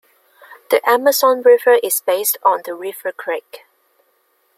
The Amazon River is based on the River Crake.